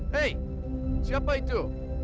hei siapa itu